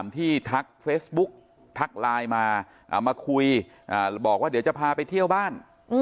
ที่ทักเฟซบุ๊กทักไลน์มามาคุยบอกว่าเดี๋ยวจะพาไปเที่ยวบ้าน